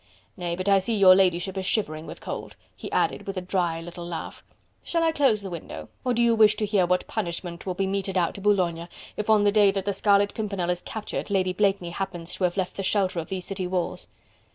Nay! but I see your ladyship is shivering with cold..." he added with a dry little laugh, "shall I close the window? or do you wish to hear what punishment will be meted out to Boulogne, if on the day that the Scarlet Pimpernel is captured, Lady Blakeney happens to have left the shelter of these city walls?"